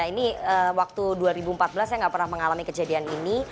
ini waktu dua ribu empat belas saya nggak pernah mengalami kejadian ini